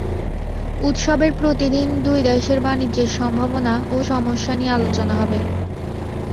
উৎসবের প্রতিদিন দুই দেশের বাণিজ্যের সম্ভাবনা ও সমস্যা নিয়ে আলোচনা হবে।